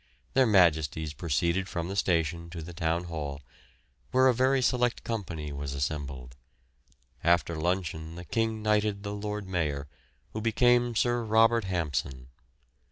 Their Majesties proceeded from the station to the Town Hall, where a very select company was assembled. After luncheon the King knighted the Lord Mayor, who became Sir Robert Hampson.